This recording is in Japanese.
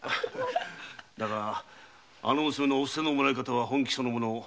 あの娘のお布施のもらいかたは本気そのもの。